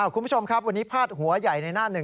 คุณผู้ชมครับวันนี้พาดหัวใหญ่ในหน้าหนึ่ง